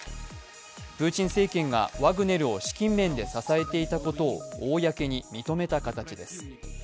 プーチン政権がワグネルを資金面で支えていたことを公に認めた形です。